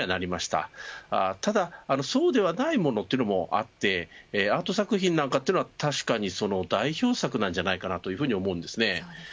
ただ、そうではないものというのもあってアート作品は、確かに代表作なんじゃないかと思います。